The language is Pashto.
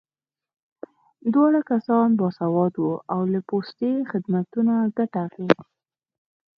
دواړه کسان باسواده وو او له پوستي خدمتونو ګټه اخیست